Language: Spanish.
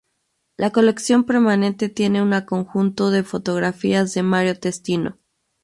La colección permanente tiene una conjunto de fotografías de Mario Testino.